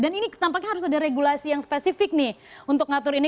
dan ini tampaknya harus ada regulasi yang spesifik nih untuk ngatur ini